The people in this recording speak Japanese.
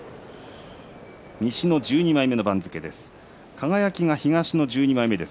西の１２枚目の番付です。